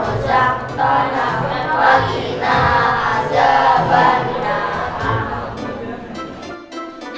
wa sallamu alaikum warahmatullahi wabarakatuh